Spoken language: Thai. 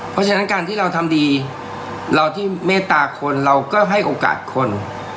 เพราะฉะนั้นการที่เราทำดีเราที่เมตตาคนเราก็ให้โอกาสคน